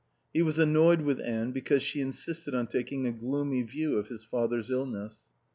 He was annoyed with Anne because she insisted on taking a gloomy view of his father's illness.